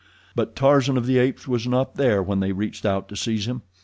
But Tarzan of the Apes was not there when they reached out to seize him.